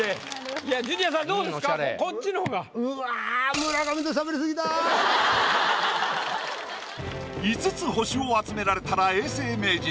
うわ５つ星を集められたら永世名人。